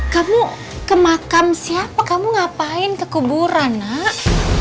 kamu ke makam siapa kamu ngapain ke kuburan nak